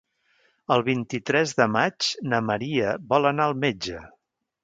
El vint-i-tres de maig na Maria vol anar al metge.